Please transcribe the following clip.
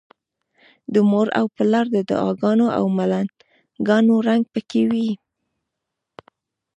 د مور او پلار د دعاګانو او ملنګانو رنګ پکې وي.